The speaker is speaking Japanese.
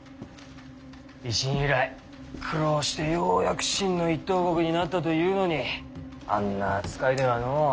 維新以来苦労してようやく真の一等国になったというのにあんな扱いではのう。